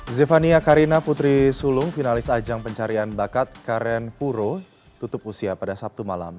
zefania karina putri sulung finalis ajang pencarian bakat karen puro tutup usia pada sabtu malam